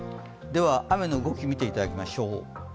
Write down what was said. では、雨の動きを見ていただきましょう。